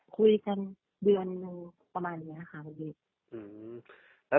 คุยกันเดือนนิดนึงประมาณนี้นะคะ